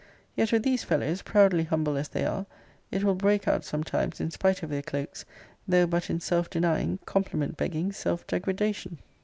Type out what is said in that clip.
Yet with these fellows, proudly humble as they are, it will break out sometimes in spite of their clokes, though but in self denying, compliment begging self degradation.